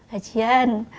besok ayah gajian